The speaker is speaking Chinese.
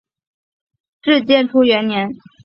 至建初元年。